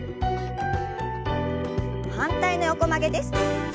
反対の横曲げです。